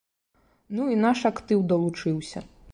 Ну і наш актыў далучыўся.